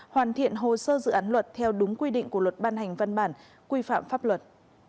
hoàn thiện hồ sơ dự án luật theo đúng quy định của luật ban hành văn bản quy phạm pháp luật